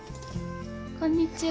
こんにちは。